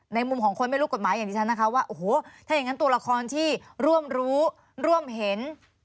มุมของคนไม่รู้กฎหมายอย่างที่ฉันนะคะว่าโอ้โหถ้าอย่างนั้นตัวละครที่ร่วมรู้ร่วมเห็น